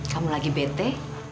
kamu lagi bete